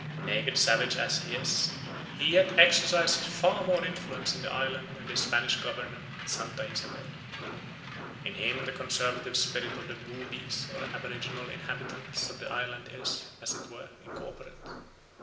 Naked savage as he is, he yet exercises far more influence in the island than the Spanish governor at Santa Isabel. In him the conservative spirit of the Boobies or aboriginal inhabitants of the island is, as it were, incorporate.